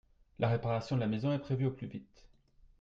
La réparation de la maison est prévu au plus vite.